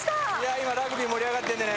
今ラグビー盛り上がってるんでね